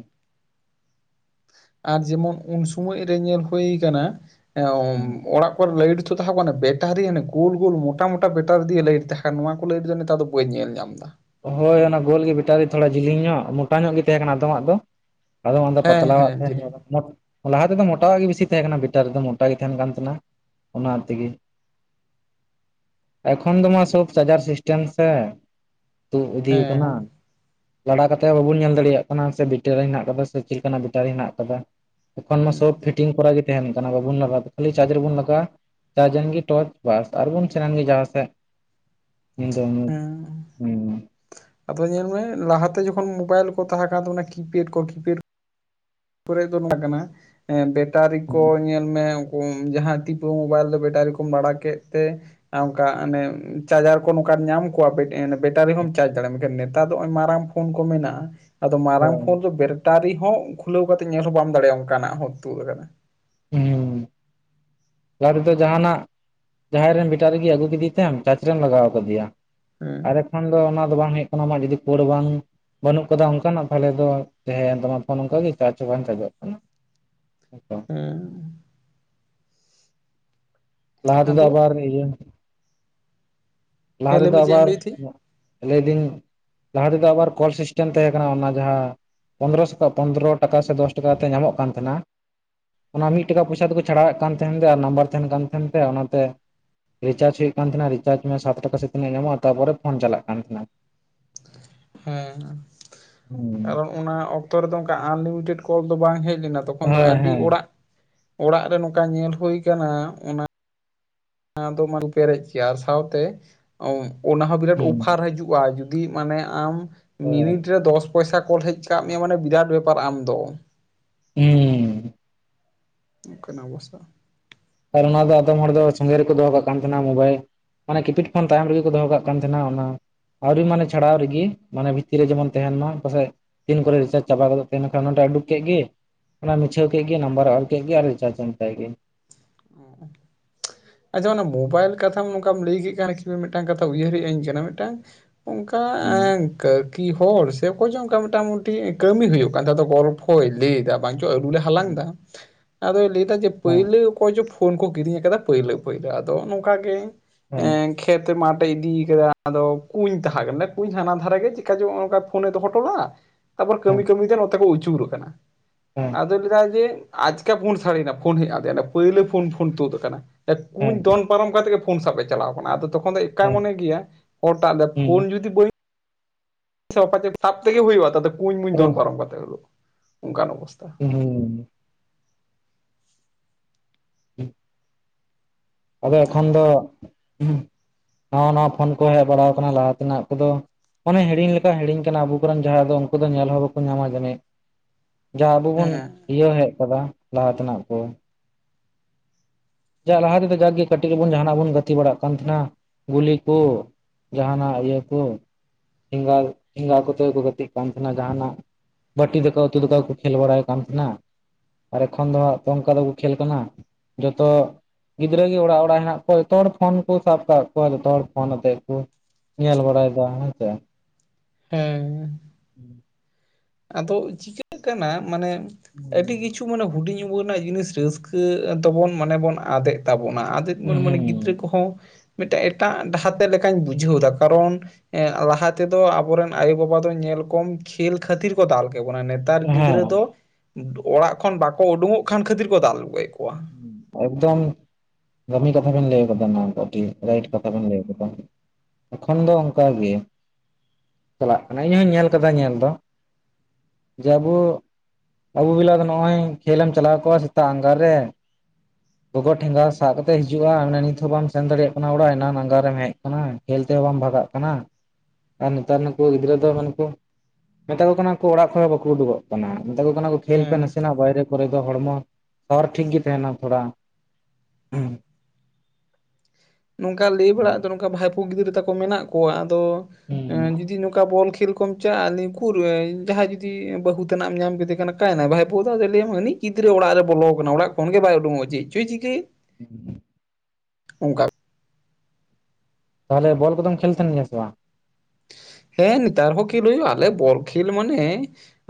Speaker 2: ᱟᱨ ᱡᱮᱢᱚᱱ ᱩᱱ ᱥᱚᱢᱳᱭ ᱨᱮ ᱧᱮᱞ ᱦᱳᱭ ᱠᱟᱱᱟ ᱮᱸ ᱚᱲᱟᱜ ᱠᱚ ᱞᱟᱹᱭᱤᱴ ᱫᱚ ᱛᱟᱦᱮᱸ ᱠᱟᱱᱟ ᱵᱮᱴᱟᱨᱤ ᱚᱱᱮ ᱜᱳᱞ ᱜᱳᱞ ᱢᱚᱴᱟ ᱢᱚᱴᱟ ᱵᱮᱴᱟᱨᱤ ᱫᱤᱭᱮ ᱞᱟᱹᱭᱤᱴ ᱛᱟᱦᱮᱸ ᱠᱟᱱᱟ ᱱᱚᱣᱟ ᱠᱚ ᱞᱟᱹᱭᱤᱴ ᱫᱚ ᱱᱮᱛᱟᱨ ᱫᱚ ᱵᱟᱹᱧ ᱧᱮᱞ ᱧᱟᱢ ᱫᱟ᱾
Speaker 1: ᱦᱳᱭ ᱚᱱᱟ ᱜᱳᱞ ᱜᱤ ᱵᱮᱴᱟᱨᱤ ᱛᱷᱚᱲᱟ ᱡᱤᱞᱤᱧ ᱧᱚᱜ ᱢᱚᱴᱟ ᱧᱚᱜ ᱜᱤ ᱛᱮᱦᱮᱸ ᱠᱟᱱᱟ ᱛᱚ ᱟᱢᱟᱜ ᱫᱚ ᱟᱫᱚ ᱚᱱᱟ ᱫᱚ
Speaker 2: ᱦᱮᱸ
Speaker 1: ᱯᱟᱛᱞᱟᱣᱟᱜ
Speaker 2: ᱦᱮᱸ
Speaker 1: ᱛᱮᱦᱮᱸ
Speaker 2: ᱡᱮᱞᱮᱧ
Speaker 1: ᱠᱟᱱᱟ ᱛᱚ ᱢᱳᱴ ᱞᱟᱦᱟ ᱛᱮᱫᱚ ᱢᱚᱴᱟᱣᱟᱜ ᱜᱤ ᱵᱤᱥᱤ ᱛᱮᱦᱮᱸ ᱠᱟᱱᱟ ᱵᱮᱴᱟᱹᱨᱤ ᱫᱚ ᱢᱚᱴᱟ ᱜᱤ ᱛᱮᱦᱮᱱ ᱠᱟᱱ ᱛᱮᱦᱮᱱᱟ᱾ ᱚᱱᱟ ᱛᱤᱜᱤ ᱮᱠᱷᱚᱱ ᱫᱚᱢᱟ ᱥᱳᱵ ᱥᱟᱡᱟᱨ ᱥᱤᱥᱴᱮᱢ ᱥᱮᱸ᱾ ᱛᱩᱜ ᱤᱫᱤᱭᱩᱣᱟᱹ ᱠᱟᱱᱟ᱾
Speaker 2: ᱦᱮᱸ
Speaker 1: ᱞᱟᱲᱟ ᱠᱟᱛᱮᱜ ᱦᱚᱸ ᱵᱟᱵᱩᱱ ᱧᱮᱞ ᱫᱟᱲᱮᱭᱟᱜ ᱠᱟᱱᱟ ᱥᱮ ᱵᱮᱴᱟᱹᱨᱤ ᱦᱮᱱᱟᱜ ᱠᱟᱫᱟ ᱥᱮ ᱪᱮᱜ ᱠᱟᱱᱟᱜ ᱵᱮᱴᱟᱹᱨᱤ ᱦᱮᱱᱟᱜ ᱠᱟᱫᱟ᱾ ᱮᱠᱷᱚᱱ ᱢᱟ ᱥᱳᱵ ᱯᱷᱤᱴᱤᱝ ᱠᱚᱨᱟ ᱜᱤ ᱛᱮᱦᱮᱱ ᱠᱟᱱᱟ ᱵᱟᱵᱚᱱ ᱞᱟᱜᱟᱛ ᱠᱷᱟᱹᱞᱤ ᱪᱟᱨᱡ ᱨᱮᱵᱩᱱ ᱞᱟᱜᱟᱣᱼᱟ ᱡᱟᱨᱡ ᱮᱱ ᱜᱤ ᱴᱚᱨᱪ ᱵᱟᱥ ᱟᱨ ᱵᱚᱱ ᱥᱮᱱ ᱮᱱ ᱜᱮ ᱡᱟᱦᱟᱸ ᱥᱮᱜ ᱧᱤᱸᱫᱟᱹ ᱧᱩᱛ᱾
Speaker 2: ᱦᱮᱸ
Speaker 1: ᱦᱩᱸ
Speaker 2: ᱟᱫᱚ ᱧᱮᱞ ᱢᱮ ᱞᱟᱦᱟᱛᱮ ᱡᱚᱠᱷᱚᱱ ᱢᱳᱵᱟᱭᱤᱞ ᱠᱚ ᱛᱟᱦᱮᱸ ᱠᱟᱱ ᱛᱟᱵᱚᱱᱟ ᱠᱤᱯᱮᱰ ᱠᱚ ᱠᱤᱯᱮᱰ ᱠᱚᱨᱮ ᱫᱚ ᱱᱚᱣᱟ ᱠᱟᱱᱟ ᱮᱸ ᱵᱮᱴᱟᱨᱤ
Speaker 1: ᱦᱩᱸ
Speaker 2: ᱠᱚ ᱧᱮᱞ ᱢᱮ ᱠᱚᱢ ᱡᱟᱦᱟᱸ ᱛᱤᱯᱩ ᱢᱳᱵᱟᱭᱤᱞ ᱫᱚ ᱵᱮᱴᱟᱨᱤ ᱠᱚᱢ ᱵᱟᱲᱟ ᱠᱮᱜ ᱛᱮ ᱟᱸ ᱚᱝᱠᱟ ᱟᱱᱮ ᱪᱟᱨᱡᱟᱨ ᱠᱚ ᱱᱚᱝᱠᱟ ᱧᱟᱢ ᱠᱚᱣᱟ ᱵᱮ ᱮᱸ ᱵᱮᱴᱟᱨᱤ ᱦᱚᱸᱢ ᱪᱟᱨᱡ ᱫᱟᱲᱮᱜ ᱢᱮᱱᱠᱷᱟᱱ ᱱᱮᱛᱟᱨ ᱫᱚ ᱚᱜᱚᱭ ᱢᱟᱨᱟᱝ ᱯᱷᱳᱱ ᱠᱚ ᱢᱮᱱᱟᱜᱼᱟ ᱟᱫᱚ ᱢᱟᱨᱟᱝ
Speaker 1: ᱦᱳᱭ
Speaker 2: ᱯᱷᱳᱱ ᱫᱚ ᱵᱮᱨᱴᱟᱨᱤ ᱦᱚᱸ ᱠᱷᱩᱞᱟᱹᱣ ᱠᱟᱛᱮ ᱧᱮᱞ ᱦᱚᱸ ᱵᱟᱢ ᱫᱟᱲᱮᱭᱟᱜᱼᱟ ᱚᱱᱠᱟᱱᱟᱜ ᱦᱚᱸ ᱛᱩᱫ ᱠᱟᱱᱟ᱾
Speaker 1: ᱦᱩᱸᱻ ᱞᱟᱦᱟ ᱛᱮᱫᱚ ᱡᱟᱦᱟᱱᱟᱜ ᱡᱟᱦᱟᱭ ᱨᱮᱱ ᱵᱮᱴᱟᱨᱤ ᱜᱮ ᱟᱹᱜᱩ ᱠᱤᱫᱤ ᱛᱮᱢ ᱪᱟᱨᱡ ᱨᱮᱢ ᱞᱟᱜᱟᱣ ᱠᱟᱫᱮᱭᱟ᱾
Speaker 2: ᱦᱮᱸ
Speaker 1: ᱟᱨ ᱮᱠᱷᱟᱱ ᱫᱚ ᱚᱱᱟ ᱫᱚ ᱵᱟᱝ ᱦᱳᱭᱳᱜ ᱠᱟᱱᱟ ᱟᱢᱟᱜ ᱡᱩᱫᱤ ᱯᱟᱹᱲ ᱵᱟᱝ ᱵᱟᱹᱱᱩᱜ ᱠᱟᱫᱟ ᱚᱱᱠᱟᱱᱟᱜ ᱛᱟᱦᱚᱞᱮ ᱫᱚ ᱛᱟᱦᱮᱸᱭᱮᱱ ᱛᱟᱢᱟ ᱯᱷᱳᱱ ᱚᱝᱠᱟ ᱜᱤ ᱪᱟᱨᱡ ᱦᱚᱸ ᱵᱟᱝ ᱪᱟᱨᱡᱚᱜ ᱠᱟᱱᱟ᱾ [UNINTELLIGIBLE]
Speaker 2: ᱮᱸᱻ
Speaker 1: ᱞᱟᱦᱟ ᱛᱮᱫᱚ
Speaker 2: ᱟᱫᱚ
Speaker 1: ᱟᱵᱟᱨ ᱤᱭᱟᱹ ᱞᱟᱦᱟ
Speaker 2: ᱦᱮᱸ ᱞᱟᱹᱭ
Speaker 1: ᱛᱮᱫᱚ
Speaker 2: ᱢᱮ ᱪᱮᱫ ᱮᱢ
Speaker 1: ᱟᱵᱟᱨ
Speaker 2: ᱞᱟᱹᱭᱮᱫ ᱛᱟᱦᱮᱸᱫ
Speaker 1: ᱞᱮᱭᱫᱤᱧ ᱞᱟᱦᱟ ᱛᱮᱫᱚ ᱟᱵᱟᱨ ᱠᱚᱞ ᱥᱤᱥᱴᱮᱢ ᱛᱟᱦᱮᱸ ᱠᱟᱱᱟ ᱚᱱᱟ ᱡᱟᱦᱟᱸ ᱯᱚᱱᱫᱨᱚ ᱥᱚ ᱯᱚᱱᱫᱨᱚ ᱴᱟᱠᱟ ᱥᱮ ᱫᱚᱥ ᱴᱟᱠᱟ ᱠᱟᱛᱮ ᱧᱟᱢᱚᱜ ᱠᱟᱱ ᱛᱟᱦᱮᱱᱟ ᱚᱱᱟ ᱢᱤᱫ ᱴᱟᱠᱟ ᱯᱚᱭᱥᱟ ᱛᱮᱠᱚ ᱪᱷᱟᱲᱟᱣ ᱮᱫ ᱠᱟᱱ ᱛᱟᱦᱮᱸᱱ ᱛᱮ ᱟᱨ ᱱᱟᱢᱵᱟᱨ ᱛᱟᱦᱮᱱ ᱠᱟᱱ ᱛᱟᱦᱮᱸ ᱛᱮ ᱚᱱᱟᱛᱮ ᱨᱤᱪᱟᱨᱡ ᱦᱩᱭᱩᱜ ᱠᱟᱱ ᱛᱟᱦᱮᱸᱱᱟ ᱨᱤᱪᱟᱨᱡ ᱢᱮ ᱥᱟᱛ ᱴᱟᱠᱟ ᱥᱮ ᱛᱤᱱᱟᱹᱜ ᱧᱟᱢᱚᱜᱼᱟ ᱛᱟᱯᱚᱨᱮ ᱯᱷᱳᱱ ᱪᱟᱞᱟᱜ ᱠᱟᱱ ᱛᱟᱦᱮᱱᱟ ᱾
Speaker 2: ᱦᱮᱸ ᱠᱟᱨᱚᱱ ᱚᱱᱟ ᱚᱠᱛᱚ ᱨᱮᱫᱚ ᱚᱱᱠᱟ ᱟᱱᱞᱤᱢᱤᱴᱮᱰ ᱠᱚᱞ ᱫᱚ ᱵᱟᱝ ᱦᱮᱡ ᱞᱮᱱᱟ ᱾ ᱛᱚᱠᱷᱚᱱ ᱫᱚ
Speaker 1: ᱦᱳᱭ
Speaker 2: ᱟᱹᱰᱤ
Speaker 1: ᱦᱮᱸ
Speaker 2: ᱚᱲᱟᱜ ᱚᱲᱟᱜ ᱨᱮ ᱱᱚᱝᱠᱟ ᱧᱮᱞ ᱦᱳᱭ ᱠᱟᱱᱟ ᱚᱱᱟ ᱱᱟ ᱫᱚ ᱢᱟᱞ ᱯᱮᱨᱮᱡ ᱠᱮᱭᱟ ᱟᱨ ᱥᱟᱶᱛᱮ ᱚᱱᱟ ᱦᱚᱸ ᱵᱤᱨᱟᱹᱴ
Speaker 1: ᱦᱩᱸ
Speaker 2: ᱚᱯᱷᱟᱨ ᱦᱟᱹᱡᱩᱜ ᱠᱚᱜ-ᱟ ᱡᱩᱫᱤ ᱢᱟᱱᱮ ᱟᱢ
Speaker 1: ᱦᱳᱭ
Speaker 2: ᱢᱤᱱᱤᱴ ᱨᱮ ᱫᱚᱥ ᱫᱚᱥ ᱯᱚᱭᱥᱟ ᱠᱚᱞ ᱦᱮᱡ ᱠᱟᱜ ᱢᱮᱭᱟ ᱢᱟᱱᱮ ᱵᱤᱨᱟᱴ ᱵᱮᱯᱟᱨ ᱟᱢ ᱫᱚ ᱾
Speaker 1: ᱦᱩᱸᱻ ᱾
Speaker 2: ᱚᱱᱠᱟᱱᱟᱜ ᱚᱵᱚᱥᱛᱟ ᱾
Speaker 1: ᱟᱨ ᱚᱱᱟ ᱫᱚ ᱟᱫᱚᱢ ᱦᱚᱲ ᱫᱚ ᱥᱚᱸᱜᱮ ᱨᱮᱠᱚ ᱫᱚᱦᱚ ᱠᱟᱜ ᱠᱟᱱ ᱛᱟᱦᱮᱱᱟ ᱢᱳᱵᱟᱭᱤᱞ ᱾ ᱢᱟᱱᱮ ᱠᱤᱯᱤᱰ ᱯᱷᱳᱱ ᱛᱟᱭᱚᱢ ᱨᱤᱜᱮ ᱠᱚ ᱫᱚᱦᱚ ᱠᱟᱜ ᱠᱟᱱ ᱛᱟᱸᱦᱮᱱᱟ ᱚᱱᱟ ᱾ ᱟᱹᱣᱨᱤ ᱢᱟᱱᱮ ᱪᱷᱟᱲᱟᱣ ᱨᱤᱜᱤ ᱢᱟᱱᱮ ᱵᱷᱤᱛᱤᱨ ᱨᱮ ᱡᱮᱢᱚᱱ ᱛᱮᱦᱮᱱ ᱢᱟ ᱯᱟᱥᱮᱡ ᱛᱤᱱ ᱠᱚᱨᱮ ᱨᱤᱪᱟᱨᱡᱽ ᱪᱟᱵᱟ ᱜᱚᱫᱚᱜ ᱛᱟᱦᱮᱱᱟ ᱮᱸᱰᱮᱠᱷᱟᱱ ᱚᱱᱟ ᱴᱟᱜ ᱩᱰᱩᱠ ᱠᱮᱜ ᱜᱮ ᱾ ᱚᱱᱟ ᱢᱩᱪᱷᱟᱹᱣ ᱠᱮᱜ ᱜᱮ ᱱᱟᱢᱵᱟᱨᱮ ᱚᱞ ᱠᱮᱜ ᱜᱮ ᱟᱨ ᱨᱤᱪᱟᱨᱡᱽ ᱮᱱ ᱛᱟᱭ ᱜᱤ ᱾
Speaker 2: ᱚ ᱾ ᱟᱪᱪᱷᱟ ᱚᱱᱟ ᱢᱳᱵᱟᱭᱤᱞ ᱠᱟᱹᱛᱷᱟᱢ ᱱᱚᱝᱠᱟᱢ ᱞᱟᱹᱭ ᱠᱮᱫ ᱠᱷᱟᱱ [UNINTELLIGIBLE] ᱢᱮᱫᱹᱴᱟᱝ ᱠᱟᱹᱛᱷᱟ ᱩᱭᱦᱟᱹᱨᱮᱜ ᱟᱹᱧ ᱠᱟᱱᱟ ᱢᱮᱫᱹᱴᱟᱝ ᱚᱱᱠᱟ
Speaker 1: ᱦᱩᱸ
Speaker 2: ᱮᱸ ᱠᱟᱠᱤ ᱦᱚᱲᱹ ᱥᱮ ᱚᱠᱚᱭ ᱪᱚᱝ ᱚᱱᱠᱟ ᱢᱚᱴᱟᱹᱢᱩᱴᱤ ᱠᱟᱹᱢᱤ ᱦᱩᱭᱩᱹᱜ ᱠᱟᱱ ᱛᱟᱦᱮᱸᱫ ᱟᱫᱚ ᱜᱚᱞᱯᱷᱚᱹᱭ ᱞᱟᱹᱭ ᱮᱫᱟ ᱾ ᱵᱟᱝ ᱪᱚ ᱟᱞᱩ ᱞᱮ ᱦᱟᱞᱟᱝ ᱮᱫᱟ, ᱟᱫᱚᱹᱭ ᱞᱟᱹᱭ ᱮᱫᱟ ᱡᱮ
Speaker 1: ᱦᱮᱸ
Speaker 2: ᱯᱟᱹᱭᱞᱟᱹ ᱚᱠᱚᱭᱹᱪᱚ ᱯᱷᱳᱱ ᱠᱚ ᱠᱤᱨᱤᱧ ᱟᱹᱠᱟᱫᱟ ᱯᱟᱹᱭᱞᱟᱹ ᱯᱟᱹᱭᱞᱟᱹ ᱟᱫᱚ ᱱᱚᱝᱠᱟ ᱜᱮ
Speaker 1: ᱦᱮᱸ
Speaker 2: ᱠᱷᱮᱛ ᱢᱟᱴᱮ ᱤᱫᱤ ᱠᱟᱫᱟ ᱟᱫᱚ ᱠᱩᱸᱧ ᱛᱟᱦᱮᱸ ᱠᱟᱱᱟ ᱠᱩᱸᱧ ᱦᱟᱱᱟ ᱫᱷᱟᱨᱮ ᱜᱮ ᱪᱮᱠᱟᱮ ᱱᱚᱜᱼᱚ ᱱᱚᱝᱠᱟ ᱯᱷᱳᱱᱮ ᱫᱚᱦᱚ ᱦᱚᱴᱚ ᱞᱟᱜ-ᱟ ᱛᱟᱨᱯᱚᱨ ᱠᱟᱹᱢᱤ ᱠᱟᱹᱢᱤᱛᱮ ᱱᱚᱛᱮ ᱠᱚ ᱟᱹᱪᱩᱨ ᱟᱠᱟᱱᱟ ᱾
Speaker 1: ᱦᱮᱸ ᱾
Speaker 2: ᱟᱫᱚᱹᱭ ᱞᱟᱹᱭᱫᱟᱭ ᱡᱮ ᱟᱪᱠᱟ ᱯᱷᱳᱱ ᱥᱟᱰᱮ ᱱᱟ ᱯᱷᱳᱱ ᱦᱮᱡ ᱯᱳᱭᱞᱳ ᱯᱷᱳᱱ ᱯᱷᱳᱱ ᱛᱳᱫ ᱟᱹᱠᱟᱱᱟ ᱠᱩᱸᱧ
Speaker 1: ᱦᱮᱸ
Speaker 2: ᱫᱚᱱ ᱯᱟᱨᱚᱢ ᱠᱟᱛᱮ ᱜᱮ ᱯᱷᱳ ᱥᱟᱵᱮ ᱪᱟᱞᱟᱣ ᱟᱠᱟᱱᱟ ᱟᱫᱚ ᱛᱚᱠᱷᱚᱱ ᱫᱚ ᱚᱱᱠᱟᱭ
Speaker 1: ᱦᱮᱸ
Speaker 2: ᱢᱚᱱᱮ ᱜᱮᱭᱟ ᱦᱚᱲ ᱴᱟᱜ ᱫᱚ
Speaker 1: ᱦᱮᱸ ᱦᱩᱸ
Speaker 2: ᱯᱷᱳᱱ ᱡᱩᱫᱤ ᱵᱟᱹᱧ ᱥᱟᱯᱟ ᱡᱮ ᱥᱟᱯ ᱛᱮᱜᱮ ᱦᱩᱭᱩᱜ-ᱟ ᱛᱟᱛᱮ ᱠᱩᱸᱧ ᱢᱩᱧ
Speaker 1: ᱟᱫᱚ
Speaker 2: ᱫᱷᱚᱱ ᱯᱟᱨᱚᱢ ᱠᱟᱛᱮᱫ ᱦᱳᱞᱳ ᱾ ᱚᱱᱠᱟᱱ ᱚᱵᱚᱥᱛᱟ ᱾
Speaker 1: ᱦᱩᱸ ᱾ [UNINTELLIGIBLE] ᱟᱸᱫᱚ ᱮᱠᱷᱚᱱ ᱫᱚ ᱱᱟᱣᱟ ᱱᱟᱣᱟ ᱯᱷᱳᱱ ᱠᱚ ᱦᱮᱡ ᱵᱟᱲᱟ ᱟᱠᱟᱱᱟ ᱞᱟᱦᱟ ᱛᱮᱱᱟᱜ ᱠᱚᱫᱚ ᱢᱟᱱᱮ ᱦᱤᱲᱤᱧ ᱞᱮᱠᱟ ᱦᱤᱲᱤᱧ ᱠᱟᱱᱟ ᱟᱵᱚ ᱠᱚᱨᱮᱱ ᱡᱟᱦᱟᱸᱭ ᱫᱚ ᱩᱱᱠᱩ ᱫᱚ ᱧᱮᱞ ᱦᱚᱸ ᱵᱟᱠᱚ ᱧᱟᱢᱟ ᱡᱮᱱᱤᱡ ᱡᱟᱦᱟ ᱟᱵᱚ ᱵᱩᱱ
Speaker 2: ᱦᱮᱸ
Speaker 1: ᱤᱭᱟᱹ ᱦᱮᱡ ᱟᱠᱟᱫᱟ ᱞᱟᱦᱟ ᱛᱮᱱᱟᱜ ᱠᱚ ᱾ ᱡᱟ ᱞᱟᱦᱟᱸ ᱛᱮᱫᱚ ᱡᱟᱠ ᱜᱮ ᱠᱟᱹᱴᱤᱡ ᱨᱮᱹᱵᱚᱱ ᱡᱟᱦᱱᱟᱜ ᱵᱚᱱ ᱜᱟᱛᱮ ᱵᱟᱲᱟᱜ ᱠᱟᱱ ᱛᱟᱦᱮᱱᱟ ᱜᱩᱞᱤ ᱠᱚ ᱡᱟᱦᱟᱸᱱᱟᱜ ᱤᱭᱟᱹ ᱠᱚ ᱴᱷᱮᱸᱜᱟ ᱴᱷᱮᱸᱜᱟ ᱠᱚᱛᱮ ᱠᱚ ᱜᱟᱛᱮᱜ ᱠᱟᱱ ᱛᱟᱦᱮᱱᱟ ᱡᱟᱦᱟᱸᱱᱟᱜ ᱵᱟᱴᱤ ᱫᱟᱠᱟ ᱩᱛᱩ ᱫᱟᱠᱟ ᱠᱚ ᱠᱷᱮᱞ ᱵᱟᱲᱟᱭ ᱠᱟᱱᱟ ᱛᱟᱦᱮᱱᱟ ᱾ ᱟᱨ ᱮᱠᱷᱚᱱ ᱫᱚ ᱦᱟᱸᱜ ᱚᱱᱠᱟ ᱫᱚᱠᱚ ᱠᱷᱮᱞ ᱠᱟᱱᱟ? ᱛᱚ ᱜᱤᱫᱽᱨᱟᱹ ᱜᱮ ᱚᱲᱟᱹᱜ ᱚᱲᱟᱹᱜ ᱦᱮᱱᱟᱜ ᱠᱚᱣᱟ ᱡᱚᱛᱚ ᱦᱚᱲᱹ ᱯᱷᱳᱱ ᱠᱚ ᱥᱟᱵ ᱟᱸᱠᱟᱫ ᱠᱚᱸᱣᱟ ᱡᱚᱛᱚ ᱦᱚᱲᱹ ᱯᱷᱳᱱ ᱟᱛᱮᱫ ᱠᱚ ᱧᱮᱞ ᱵᱟᱹᱲᱟᱭᱮᱫᱟ ᱦᱮᱸᱥᱮ ᱾
Speaker 2: ᱦᱮᱸ ᱾
Speaker 1: ᱦᱩᱸ [UNINTELLIGIBLE]
Speaker 2: ᱟᱫᱚ ᱪᱤᱠᱟᱹᱜ ᱠᱟᱱᱟ ᱢᱟᱱᱮ ᱟᱹᱰᱤ
Speaker 1: ᱦᱩᱸ
Speaker 2: ᱠᱤᱪᱷᱩ ᱢᱟᱱᱮ ᱦᱩᱰᱤᱧ ᱩᱢᱮᱨ ᱨᱮᱱᱟᱜ ᱡᱤᱱᱤᱥ ᱨᱟᱹᱥ ᱠᱟᱹ ᱫᱚᱵᱚᱱ ᱢᱟᱱᱮ ᱵᱚᱱ ᱟᱫᱮᱜ ᱛᱟᱵᱚᱱᱟ ᱟᱫᱮᱜ
Speaker 1: ᱦᱩᱸ
Speaker 2: ᱢᱟᱱᱮ ᱵᱚᱱ ᱢᱟᱱᱮ ᱜᱤᱫᱽᱨᱟᱹ ᱠᱚ ᱦᱚᱸ ᱢᱮᱫᱴᱮᱡ ᱮᱴᱟᱜ ᱰᱟᱦᱟᱨ ᱛᱮ ᱞᱮᱠᱟᱧ ᱵᱩᱡᱷᱟᱹᱣ ᱮᱫᱟ ᱠᱟᱨᱚᱱ ᱞᱟᱦᱟ ᱛᱮᱫᱚ ᱟᱸᱵᱚᱹᱨᱮᱱ ᱟᱭᱳ ᱵᱟᱹᱵᱟ ᱫᱚ ᱧᱮᱞ ᱠᱚᱢ ᱠᱷᱮᱞ ᱠᱷᱟᱹᱛᱤᱨ ᱠᱚ ᱫᱟᱞ ᱠᱮ ᱵᱚᱱᱟ, ᱱᱮᱛᱟᱨ ᱜᱤᱫᱽᱨᱟᱹ
Speaker 1: ᱦᱮᱸ
Speaker 2: ᱫᱚ ᱚᱲᱟᱹᱜ ᱠᱷᱚᱱ ᱵᱟᱠᱚ ᱩᱰᱩᱠᱚᱹᱜ ᱠᱷᱟᱱ ᱠᱷᱟᱹᱛᱤᱨ ᱠᱚ ᱫᱟᱞ ᱟᱹ ᱜᱚᱡ ᱠᱚᱸᱣᱟ᱾
Speaker 1: ᱮᱠᱫᱚᱢ ᱫᱟᱢᱤ ᱠᱟᱛᱷᱟ ᱵᱮᱱ ᱞᱟᱹᱭ ᱠᱟᱫᱟ ᱚᱱᱟ ᱠᱟᱹᱴᱤᱡ ᱨᱟᱭᱤᱴ ᱠᱟᱛᱷᱟ ᱵᱮᱱ ᱞᱟᱹᱭ ᱠᱟᱫᱟ᱾ ᱮᱠᱷᱚᱱ ᱫᱚ ᱚᱝᱠᱟ ᱜᱮ ᱪᱟᱞᱟᱹᱜ ᱠᱟᱱᱟ ᱤᱧ ᱦᱚᱧ ᱧᱮᱞ ᱠᱟᱫᱟ ᱧᱮᱞ ᱫᱚ᱾ ᱡᱮ ᱟᱸᱵᱚ ᱟᱸᱵᱩ ᱵᱮᱞᱟ ᱫᱚ ᱱᱚᱜᱼᱚᱭ ᱠᱷᱮᱞᱢ ᱪᱟᱞᱟᱹᱣ ᱠᱚᱸᱜᱣᱟ ᱥᱮᱛᱟᱹᱜ ᱟᱸᱜᱟ ᱨᱮ ᱜᱚᱜᱚ ᱴᱷᱮᱸᱜᱟ ᱥᱟᱵ ᱠᱟᱛᱮᱫ ᱦᱤᱡᱩᱜᱼᱟ ᱚᱱᱰᱮ ᱱᱤᱛ ᱦᱚᱸᱚᱸ ᱵᱟᱢ ᱥᱮᱱ ᱫᱟᱲᱮᱭᱟ-ᱜ ᱠᱟᱱᱟ ᱚᱲᱟᱹᱜ ᱮᱱᱟ ᱟᱜᱟᱹᱨᱮᱢ ᱦᱮᱡ ᱠᱟᱱᱟ, ᱠᱷᱮᱞ ᱛᱮᱦᱚᱸ ᱵᱟᱝ ᱵᱷᱟᱜᱟᱜ ᱠᱟᱱᱟ, ᱟᱨ ᱱᱮᱛᱟᱨ ᱱᱩᱠᱩ ᱜᱤᱫᱽᱨᱟᱹ ᱫᱚ ᱢᱮᱱᱠᱩ ᱢᱮᱛᱟ ᱠᱚ ᱠᱟᱱᱟ ᱚᱲᱟᱹᱜ ᱠᱷᱚᱱᱚᱸ ᱵᱟᱠᱚᱸ ᱩᱰᱩᱠᱚᱹᱜ ᱠᱟᱱᱟ, ᱢᱮᱛᱟ ᱠᱚ ᱠᱟᱱᱟ ᱠᱷᱮᱞᱹᱯᱮ
Speaker 2: ᱦᱮᱸ
Speaker 1: ᱱᱟᱥᱮᱱᱟ-ᱜ ᱵᱟᱭᱨᱮ ᱠᱚᱨᱮ ᱫᱚ ᱦᱚᱲᱹᱢᱚ ᱥᱟᱨ ᱴᱷᱤᱠ ᱜᱮ ᱛᱟᱦᱮᱸᱱᱟ ᱛᱷᱚᱲᱟ᱾ ᱦᱩᱸ᱾
Speaker 2: ᱱᱚᱝᱹᱠᱟ ᱞᱟᱹᱭ ᱵᱟᱲᱟᱜᱼᱟ ᱱᱚᱝᱹᱠᱟ ᱵᱷᱟᱭᱯᱩ ᱜᱤᱫᱽᱨᱟᱹ ᱛᱟᱠᱚ ᱢᱮᱱᱟᱜ ᱠᱚᱣᱟ ᱟᱫᱚ
Speaker 1: ᱦᱩᱸ
Speaker 2: ᱡᱩᱫᱤ ᱱᱚᱝᱠᱟ ᱵᱚᱞ ᱠᱷᱮᱞ ᱠᱚᱢ ᱪᱟᱜᱼᱟ ᱟᱞᱤ ᱩᱠᱩᱨ ᱡᱟᱦᱟᱸᱭ ᱡᱩᱫᱤ ᱵᱟᱹᱦᱩ ᱛᱮᱟᱱᱟᱜ ᱮᱢ ᱧᱟᱢ ᱠᱮᱫᱮ ᱠᱟᱱᱟ ᱠᱟᱭᱱᱟᱭ ᱵᱷᱟᱭᱯᱚ ᱫᱚ ᱞᱟᱹᱭᱟᱢ ᱦᱟᱹᱱᱤᱡ ᱜᱤᱫᱽᱨᱟᱹ ᱚᱲᱟᱹᱜ ᱨᱮ ᱵᱚᱞᱚ ᱠᱟᱱᱟ ᱚᱲᱟᱹᱜ ᱠᱷᱚᱱ ᱜᱮ ᱵᱟᱭ ᱩᱰᱩᱠᱚᱜᱼᱟ ᱪᱮᱫ ᱪᱚᱭ ᱪᱤᱠᱟᱹᱭᱮᱜ᱾
Speaker 1: [INAUDIBLE]
Speaker 2: ᱚᱝᱠᱟ
Speaker 1: ᱛᱟᱦᱚᱞᱮ ᱵᱚᱞ ᱠᱚᱫᱚᱢ ᱠᱷᱮᱞ ᱛᱟᱦᱮᱸᱱ ᱜᱤᱭᱟ ᱥᱮ ᱵᱟᱝ?
Speaker 2: ᱦᱮᱸ ᱱᱮᱛᱟᱨ ᱦᱚᱸ ᱠᱷᱮᱞ ᱦᱩᱭᱩᱜᱼᱟ ᱟᱞᱮ ᱵᱚᱠᱷᱮᱞ ᱢᱟᱱᱮ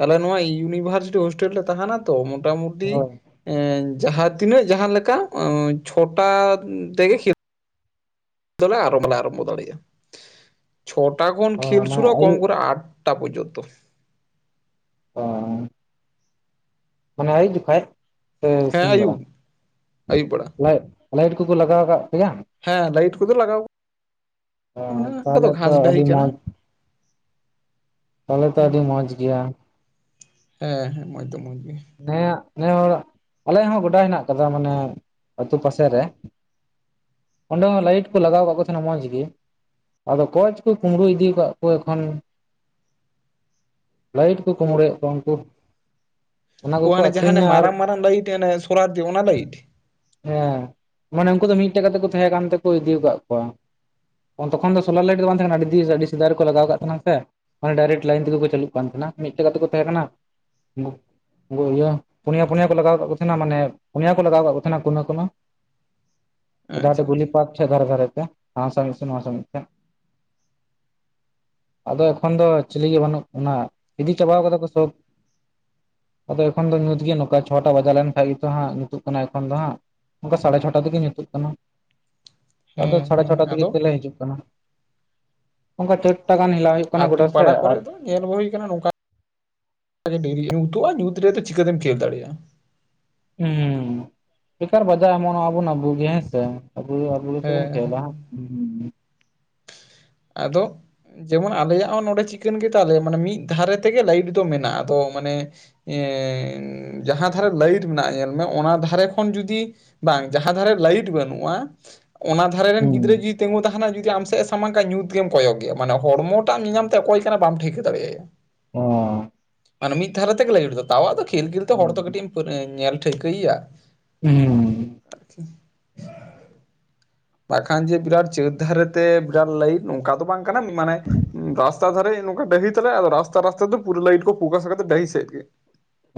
Speaker 2: ᱟᱞᱮ ᱱᱚᱣᱟ ᱤᱭᱩᱱᱤᱹᱵᱷᱟᱨᱥᱤᱴᱤ ᱦᱳᱥ ᱴᱮᱞ ᱞᱮ ᱛᱟᱦᱮᱸᱱᱟᱛᱚ ᱢᱳᱴᱟ-ᱢᱩᱴᱤ
Speaker 1: ᱦᱳᱭ
Speaker 2: ᱮ ᱡᱟᱦᱟᱸ ᱛᱤᱱᱟᱹᱜ ᱡᱟᱦᱟᱸ ᱞᱮᱠᱟ ᱮᱸ ᱪᱷᱚᱴᱟ ᱛᱮᱜᱮ ᱠᱷᱮ ᱫᱚᱞᱮ ᱟᱨᱚ ᱢᱟᱞᱮ ᱟᱨᱟᱢᱵᱷᱚ ᱫᱟᱲᱮᱭᱟᱜᱼᱟ, ᱪᱷᱚᱴᱟ ᱠᱷᱚᱱ
Speaker 1: ᱚ
Speaker 2: ᱠᱷᱮᱞ
Speaker 1: ᱢᱟᱱᱮ
Speaker 2: ᱥᱩᱨᱩᱜ
Speaker 1: ᱟᱹᱭᱩᱵ
Speaker 2: ᱠᱚᱢ ᱠᱚᱨᱮ ᱟᱴ ᱴᱟ ᱯᱚᱨᱡᱚᱱ ᱛᱚ᱾
Speaker 1: ᱚ᱾ ᱢᱟᱱᱮ ᱟᱹᱭᱩᱵ ᱡᱚᱠᱷᱮᱡ ᱥᱮ
Speaker 2: ᱦᱮᱸ
Speaker 1: ᱥᱤᱧ ᱵᱮᱲᱟ?
Speaker 2: ᱟᱹᱭᱩᱵ ᱟᱹᱭᱩᱵ ᱵᱮᱲᱟ
Speaker 1: ᱞᱟᱹᱭᱤᱴ ᱞᱟᱹᱭᱤᱴ ᱠᱚᱠᱚ ᱞᱟᱜᱟᱣ ᱠᱟᱫ ᱯᱮᱭᱟ?
Speaker 2: ᱦᱮᱸ ᱞᱟᱭᱤᱴ ᱠᱚᱫᱚ ᱞᱟᱜᱟᱣ
Speaker 1: ᱚ
Speaker 2: ᱚᱱᱟ ᱠᱚᱫᱚ
Speaker 1: ᱛᱟᱦᱚᱞᱮ ᱛᱚ
Speaker 2: ᱜᱷᱟᱥ ᱰᱟᱹᱦᱤ
Speaker 1: ᱟᱹᱰᱤ
Speaker 2: ᱠᱟᱱᱟ᱾
Speaker 1: ᱛᱟᱦᱞᱮ ᱛᱚ ᱟᱹᱰᱤ ᱢᱚᱸᱡᱽ ᱜᱮᱭᱟ?
Speaker 2: ᱦᱮᱸ ᱢᱚᱸᱡᱽ ᱫᱚ ᱢᱚᱸᱡᱽ ᱜᱮᱭᱟ᱾
Speaker 1: ᱱᱮᱭᱟᱜ ᱱᱮ ᱦᱚᱲᱟᱜ ᱟᱞᱮᱭᱟᱜ ᱦᱚᱸ ᱜᱚᱰᱟ ᱦᱮᱸᱱᱟᱜ ᱟᱠᱟᱫᱟ ᱢᱟᱱᱮ ᱟᱛᱳ ᱯᱟᱥᱮ ᱨᱮ, ᱚᱸᱰᱮ ᱦᱚᱸ ᱞᱟᱭᱤᱴ ᱠᱚ ᱞᱟᱜᱟᱣ ᱠᱟᱜ ᱠᱚ ᱛᱟᱦᱮᱸᱱᱟ ᱢᱚᱸᱡᱽᱜᱤ᱾ ᱟᱫᱚ ᱠᱚᱭ ᱪᱩᱠᱩ ᱠᱩᱢᱵᱽᱲᱩ ᱤᱫᱤ ᱟᱠᱟᱫ ᱠᱚ ᱮᱠᱷᱚᱱ, ᱞᱟᱭᱤᱴ ᱠᱚ ᱠᱩᱢᱲᱩᱭᱮᱫ ᱠᱚᱣᱟ ᱩᱱᱠᱩ᱾ ᱚᱱᱟ
Speaker 2: ᱚ
Speaker 1: ᱠᱚᱠᱚ
Speaker 2: ᱦᱟᱸᱱᱮ ᱡᱟᱦᱟᱸ
Speaker 1: ᱟᱠᱷᱨᱤᱧᱟ ᱟᱨ
Speaker 2: ᱢᱟᱨᱟᱝ ᱢᱟᱨᱟᱝ ᱞᱟᱭᱤᱴ ᱥᱚᱞᱟᱨ ᱫᱤᱭᱮᱹ ᱚᱱᱟ ᱞᱟᱭᱤᱴ?
Speaker 1: ᱦᱮᱸ ᱢᱟᱱᱮ ᱩᱱᱠᱩ ᱫᱚ ᱢᱤᱫᱴᱮᱜ ᱠᱟᱛᱮ ᱠᱚ ᱛᱟᱦᱮᱸ ᱠᱟᱱ ᱛᱮᱠᱚ ᱤᱫᱤ ᱠᱟᱜ ᱠᱚᱣᱟ᱾ ᱛᱚᱠᱷᱚᱱ ᱫᱚ ᱥᱳᱞᱟᱨ ᱞᱟᱭᱤᱰ ᱵᱟᱝ ᱛᱟᱦᱮᱸ ᱠᱟᱱᱟ ᱟᱹᱰᱤ ᱟᱹᱰᱤ ᱥᱮᱫᱟᱭ ᱨᱮᱠᱚ ᱞᱟᱜᱟᱣ ᱠᱟᱜ ᱛᱟᱦᱮᱸᱱᱟ ᱥᱮ? ᱚᱱᱮ ᱰᱟᱭᱨᱮᱠᱴ ᱞᱟᱭᱤᱱ ᱛᱮᱜᱮ ᱠᱚ ᱪᱟᱹᱞᱩᱜ ᱠᱟᱱ ᱛᱟᱦᱮᱸᱱᱟ ᱢᱤᱫᱴᱮᱱ ᱠᱟᱛᱮ ᱠᱚ ᱛᱟᱦᱮᱸ ᱠᱟᱱᱟ [UNINTELLIGIBLE] ᱩᱱᱠᱩ ᱤᱭᱟᱹ ᱯᱩᱱᱭᱟ ᱯᱩᱱᱭᱟ ᱠᱚ ᱞᱟᱜᱟᱣ ᱠᱟᱫ ᱠᱚ ᱛᱟᱦᱮᱱᱟ ᱢᱟᱱᱮ ᱯᱩᱱᱭᱟ ᱠᱚ ᱞᱟᱜᱟᱣ ᱠᱟᱫ ᱠᱚ ᱛᱟᱦᱮᱸᱱᱟ ᱠᱳᱱᱟ ᱠᱳᱱᱟ᱾ ᱡᱟᱦᱟᱸ
Speaker 2: ᱟᱪᱪᱷᱟ
Speaker 1: ᱴᱩᱠᱩ ᱜᱩᱞᱤ
Speaker 2: ᱟᱪᱪᱷᱟ
Speaker 1: ᱯᱛᱨᱠ ᱫᱷᱟᱨᱮ ᱫᱷᱟᱨᱮ ᱛᱮ ᱡᱟᱦᱟᱸ ᱥᱟᱶ ᱢᱤᱫ ᱥᱮ ᱱᱚᱣᱟ ᱥᱟᱶ ᱢᱤᱫ ᱛᱮ᱾ ᱟᱫᱚ ᱮᱠᱷᱚᱱ ᱫᱚ ᱪᱤᱞᱤ ᱜᱮ ᱵᱟᱱᱩᱜ [UNINTELLIGIBLE] ᱤᱫᱤ ᱪᱟᱵᱟ ᱠᱟᱫᱟ ᱠᱚ ᱥᱳᱵ᱾ ᱟᱫᱚ ᱮᱠᱷᱚᱱ ᱫᱚ ᱧᱩᱛ ᱜᱤ ᱱᱚᱝᱠᱟ ᱪᱷᱚᱴᱟ ᱵᱟᱡᱟᱣ ᱞᱮᱱᱠᱷᱟᱱ ᱜᱮ ᱧᱩᱛᱩᱜ ᱠᱟᱱᱟ ᱮᱠᱷᱚᱱ ᱫᱚ ᱦᱟᱸᱜ᱾ ᱚᱱᱠᱟ ᱥᱟᱲᱮ ᱪᱷᱚᱴᱟ ᱛᱮᱜᱮ ᱧᱩᱛᱩᱜ ᱠᱟᱱᱟ, ᱟᱫᱚ
Speaker 2: ᱦᱮᱸ
Speaker 1: ᱥᱟᱲᱮ
Speaker 2: ᱦᱮᱸ
Speaker 1: ᱪᱷᱚᱴᱟ ᱛᱮᱜᱮ
Speaker 2: ᱟᱫᱚ
Speaker 1: ᱛᱮᱞᱮ ᱦᱤᱡᱩᱜ ᱚᱱᱟ ᱚᱱᱠᱟ ᱪᱟᱹᱨᱴᱟ ᱜᱟᱱ ᱦᱮᱞᱟᱜ ᱦᱩᱭᱩᱜ ᱠᱟᱱᱟ ᱜᱚᱰᱟ
Speaker 2: ᱟᱛᱳ
Speaker 1: ᱥᱮᱜ,
Speaker 2: ᱯᱟᱲᱟ
Speaker 1: ᱟᱨ
Speaker 2: ᱠᱚᱨᱮ ᱫᱚ ᱧᱮᱞ ᱟᱜᱩᱸ ᱦᱩᱭ ᱠᱟᱱᱟ ᱱᱚᱝᱠᱟᱨᱤ ᱩᱛᱩᱜᱟ ᱧᱩᱛ ᱨᱮᱫᱚ ᱪᱤᱠᱟᱹᱛᱮᱢ ᱠᱷᱮᱞ ᱫᱟᱲᱮᱭᱟᱜ-ᱟ᱾
Speaker 1: ᱦᱩᱸ ᱵᱮᱠᱟᱨ ᱵᱟᱡᱟᱣ ᱮᱢᱚᱱ ᱱᱚᱜᱟᱵᱩᱱ ᱟᱵᱩ ᱜᱮ ᱦᱮᱸᱥᱮ ᱟᱵᱩ ᱟᱵᱩ ᱜᱮᱛᱚ ᱵᱩᱱ
Speaker 2: ᱦᱮᱸ ᱦᱮᱸ
Speaker 1: ᱠᱷᱮᱞᱟ᱾ ᱦᱩᱸ
Speaker 2: ᱟᱫᱚ ᱡᱮᱢᱚᱱ ᱟᱞᱮᱭᱟᱜ ᱦᱚᱸ ᱱᱚᱰᱮ ᱪᱤᱠᱟᱹᱱ ᱜᱮᱛᱟ ᱞᱮᱭᱟ ᱢᱟᱱᱮ ᱢᱤᱫ ᱫᱷᱟᱨᱮ ᱛᱮᱜᱮ ᱞᱟᱭᱤᱴ ᱫᱚ ᱢᱮᱱᱟᱜ-ᱟ ᱟᱫᱚ ᱢᱟᱱᱮ ᱮ ᱡᱟᱦᱟᱸ ᱫᱷᱟᱨᱮ ᱞᱟᱹᱭᱤᱴ ᱢᱮᱱᱟᱜ-ᱟ ᱧᱮᱞ ᱢᱮ ᱚᱱᱟ ᱫᱷᱟᱨᱮ ᱠᱷᱚᱱ ᱡᱩᱫᱤ ᱵᱟᱝ ᱡᱟᱦᱟᱸ ᱫᱷᱟᱨᱮ ᱞᱟᱭᱤᱴ ᱵᱟᱱᱩᱜ-ᱟ ᱚᱱᱟ ᱫᱷᱟᱨᱮ ᱨᱮ ᱨᱮᱱ
Speaker 1: ᱦᱩᱸ
Speaker 2: ᱜᱩᱫᱽᱨᱟᱹ ᱡᱩᱫᱤ ᱛᱟᱦᱮᱱᱟ ᱡᱩᱫᱤ ᱟᱢ ᱥᱮᱜ ᱥᱟᱢᱟᱝ ᱠᱟᱜᱟ ᱧᱩᱛ ᱜᱮᱢ ᱠᱚᱭᱚᱜ ᱜᱮᱭᱟ ᱢᱟᱱᱮ ᱦᱚᱲᱢᱚ ᱴᱟᱜ ᱧᱮᱧᱟᱢ ᱛᱟᱭᱟ ᱚᱠᱚᱭ ᱵᱟᱢ ᱴᱷᱤᱠᱟᱹ ᱫᱟᱲᱮᱟᱭᱟ
Speaker 1: ᱦᱚᱸ
Speaker 2: ᱢᱟᱱᱮ ᱢᱤᱫ ᱫᱷᱟᱨᱮ ᱛᱮᱜᱮ ᱞᱟᱭᱤᱴ ᱛᱟᱣ ᱟᱫᱚ ᱠᱷᱮᱞ ᱠᱷᱮᱞ ᱛᱮ
Speaker 1: ᱦᱩᱸ
Speaker 2: ᱦᱚᱲ ᱫᱚ ᱠᱟᱹᱴᱤᱡ ᱮᱢ ᱧᱮᱞ ᱴᱷᱟᱹᱣᱠᱟᱹᱭ ᱭᱟ
Speaker 1: ᱦᱩᱸ
Speaker 2: [INAUDIBLE] ᱵᱟᱠᱷᱟᱱ ᱡᱮ ᱵᱤᱨᱟᱴ ᱪᱟᱹᱛ ᱫᱷᱟᱨᱮ ᱛᱮ ᱵᱤᱨᱟᱴ ᱞᱟᱹᱭᱤᱴ ᱱᱚᱝᱠᱟ ᱫᱚ ᱵᱟᱝ ᱠᱟᱱᱟ ᱢᱟᱱᱮ ᱨᱟᱥᱛᱟ ᱫᱷᱟᱨᱮ ᱱᱚᱝᱠᱟ ᱰᱟᱹᱦᱤ ᱛᱟᱞᱮ ᱟᱫᱚ ᱨᱟᱥᱛᱟ ᱨᱟᱥᱛᱟ ᱛᱮ ᱯᱩᱨᱟᱹ ᱞᱟᱭᱤᱴ ᱠᱚ ᱯᱷᱚᱠᱟᱥ ᱟᱠᱟᱫᱟ ᱰᱟᱦᱤ ᱥᱮᱫ ᱜᱮ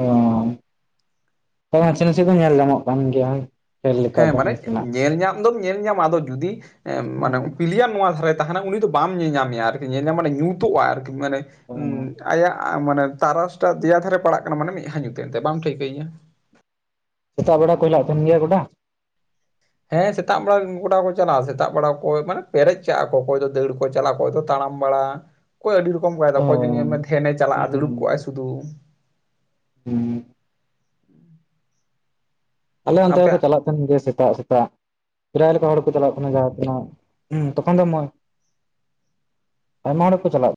Speaker 1: ᱚ ᱛᱚ ᱱᱟᱥᱮ ᱱᱟᱥᱮ ᱧᱮᱞ ᱧᱟᱢᱚᱜ ᱠᱟᱱ ᱜᱮᱭᱟ ᱠᱷᱮᱞ ᱞᱮᱠᱟ
Speaker 2: ᱦᱮᱸ
Speaker 1: ᱫᱚ
Speaker 2: ᱢᱟᱱᱮ
Speaker 1: ᱱᱟᱥᱮᱱᱟᱜ
Speaker 2: ᱧᱮᱞ ᱧᱟᱢ ᱧᱮᱞ ᱫᱚᱢ ᱧᱮᱞ ᱧᱟᱢᱟ ᱟᱫᱚ ᱡᱩᱫᱤ ᱮᱜ
Speaker 1: ᱦᱩᱸ
Speaker 2: ᱢᱟᱱᱮ ᱯᱞᱮᱭᱟᱨ ᱱᱚᱣᱟ ᱫᱷᱟᱨᱮ ᱛᱟᱦᱮᱱᱟ ᱩᱱᱤ ᱫᱚ ᱵᱟᱢ ᱧᱮᱧᱟᱢᱮᱭᱟ ᱟᱨ ᱧᱮᱞ ᱧᱟᱢ ᱢᱟᱱᱮ ᱧᱩᱛᱩᱚᱜ-ᱟ ᱟᱨᱠᱤ ᱢᱟᱱᱮ
Speaker 1: ᱚ
Speaker 2: ᱟᱭᱟᱜ ᱢᱟᱱᱮ ᱛᱟᱨᱟᱥ ᱴᱟᱜ ᱫᱮᱭᱟ ᱫᱷᱟᱨᱮ ᱯᱟᱲᱟᱜ ᱠᱟᱱᱟ ᱢᱟᱱᱮ ᱢᱮᱫᱦᱟ ᱧᱩᱛ ᱮᱱ ᱛᱟᱭᱟ ᱵᱟᱢ ᱴᱷᱟᱹᱣᱠᱟᱹᱭᱟ
Speaker 1: ᱥᱮᱛᱟᱜ ᱵᱮᱲᱟ ᱠᱚ ᱦᱮᱞᱟᱜ ᱛᱟᱦᱮᱱ ᱜᱮᱭᱟ ᱜᱚᱰᱟ
Speaker 2: ᱦᱮᱸ ᱥᱮᱛᱟᱜ ᱵᱮᱲᱟ ᱜᱚᱰᱟ ᱠᱚ ᱪᱟᱞᱟᱜ-ᱟ ᱥᱮᱛᱟᱜ ᱵᱮᱲᱟ ᱚᱠᱚᱭ ᱢᱟᱱᱮ ᱯᱮᱨᱮᱡ ᱠᱟᱜᱟᱠᱚ ᱚᱠᱚᱭ ᱫᱚ ᱫᱟᱹᱲ ᱠᱚ ᱪᱟᱞᱟᱜ-ᱟ ᱚᱠᱚᱭ ᱫᱚ ᱛᱟᱲᱟᱢ ᱵᱟᱲᱟ ᱚᱠᱚᱭ ᱟᱹᱰᱤ ᱨᱚᱠᱚᱢ ᱠᱟᱭᱫᱟ
Speaker 1: ᱚ
Speaker 2: ᱚᱠᱚᱭ ᱡᱮ ᱧᱮᱞᱮᱢᱮ ᱫᱷᱮᱭᱟᱱᱮ
Speaker 1: ᱦᱩᱸ
Speaker 2: ᱪᱟᱞᱟᱜ-ᱟ ᱫᱩᱲᱩᱵ ᱠᱚᱜ ᱟᱭ ᱥᱩᱫᱩ
Speaker 1: ᱦᱩᱸ ᱟᱞᱮ ᱚᱱᱛᱮ ᱦᱚᱸ ᱠᱚ
Speaker 2: ᱟᱯᱮᱭᱟᱜ
Speaker 1: ᱪᱟᱞᱟᱜ ᱛᱟᱦᱮᱱ ᱜᱮ ᱥᱮᱛᱟᱜ ᱥᱮᱛᱟᱜ ᱯᱮᱨᱟᱭ ᱞᱮᱠᱟ ᱦᱚᱲ ᱠᱚ ᱪᱟᱞᱟᱜ ᱛᱟᱦᱮᱱ ᱡᱟᱦᱟᱸ ᱛᱤᱱᱟᱹᱜ ᱛᱚᱠᱷᱚᱱ ᱫᱚ ᱢᱚ ᱟᱭᱢᱟ ᱦᱚᱲ ᱠᱚ ᱪᱟᱞᱟᱜ